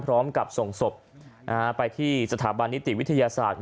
พร้อมกับส่งศพไปที่สถาบันนิติวิทยาศาสตร์